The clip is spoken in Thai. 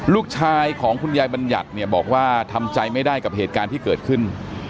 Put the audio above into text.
ลูกชายของคุณยายบัญญัติเนี่ยบอกว่าทำใจไม่ได้กับเหตุการณ์ที่เกิดขึ้น